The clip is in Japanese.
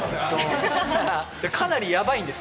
かなりやばいんです。